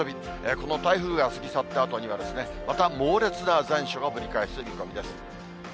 この台風が過ぎ去ったあとにはですね、また猛烈な残暑がぶり返す見込みです。